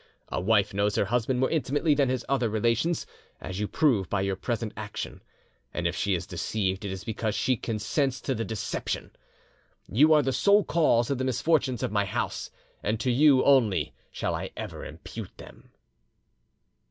A wife knows her husband more intimately than his other relations, as you prove by your present action, and if she is deceived it is because she consents to the deception. You are the sole cause of the misfortunes of my house, and to you only shall I ever impute them."